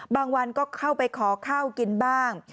บางวันก็เข้าไปขอข้าวกินบ้าง